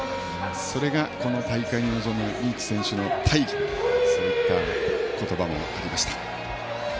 それが、この大会に臨むリーチ選手の大儀そういった言葉もありました。